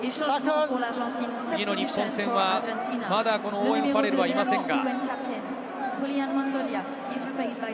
次の日本戦はまだオーウェン・ファレルはいませんが。